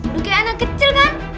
lu kayak anak kecil kan